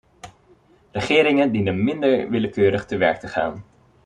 Regeringen dienen minder willekeurig te werk te gaan.